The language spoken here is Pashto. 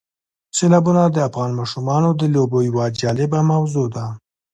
سیلابونه د افغان ماشومانو د لوبو یوه جالبه موضوع ده.